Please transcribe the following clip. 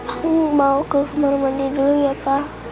aku mau ke kamar mandi dulu ya pak